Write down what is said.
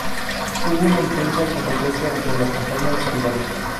Hubo una intensa competencia entre las compañías rivales.